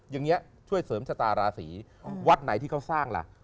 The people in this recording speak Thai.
อย่างนี้ช่วยเสริมชะตาราศีวัดไหนที่เขาสร้างล่ะ